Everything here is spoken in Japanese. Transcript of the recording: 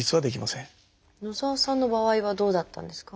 野澤さんの場合はどうだったんですか？